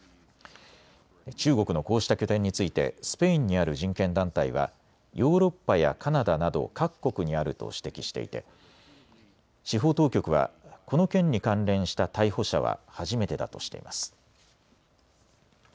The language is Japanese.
中国のこうした拠点についてスペインにある人権団体はヨーロッパやカナダなど各国にあると指摘していて司法当局はこの件に関連した逮捕者は初めてだとしています。